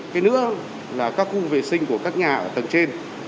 cái nữa là các khu vệ sinh của các nhà ở tầng trên